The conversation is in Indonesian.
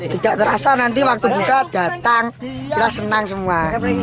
tidak terasa nanti waktu buka datang kelas senang semua